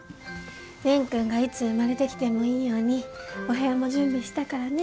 蓮くんがいつ生まれてきてもいいようにお部屋も準備したからね。